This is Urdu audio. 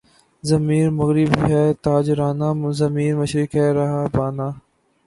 ضمیرِ مغرب ہے تاجرانہ، ضمیر مشرق ہے راہبانہ